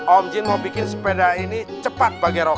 om jun mau bikin sepeda ini cepat bagai roket